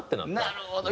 なるほど！